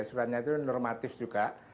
suratnya itu normatif juga